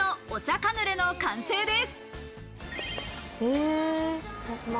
カヌレの完成です。